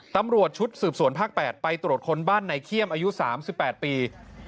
ตำรวจชุดสืบสวนภาค๘ไปตรวจคนบ้านในเขี้ยมอายุ๓๘ปี